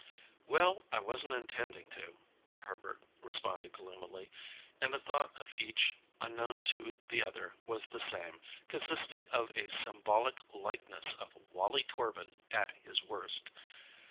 "Well, I wasn't intending to," Herbert responded gloomily; and the thought of each, unknown to the other, was the same, consisting of a symbolic likeness of Wallie Torbin at his worst.